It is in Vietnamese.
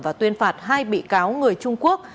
và tuyên phạt hai bị cáo người trung quốc